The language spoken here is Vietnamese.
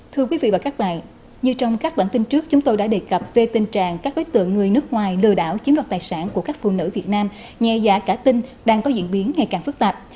thưa quý vị và các bạn như trong các bản tin trước chúng tôi đã đề cập về tình trạng các đối tượng người nước ngoài lừa đảo chiếm đoạt tài sản của các phụ nữ việt nam nhẹ dạ cả tin đang có diễn biến ngày càng phức tạp